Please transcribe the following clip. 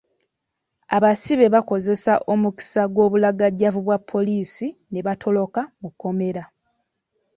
Abasibe bakozesa omukisa gw'obulagajavu bwa poliisi n'ebatoloka mu komera.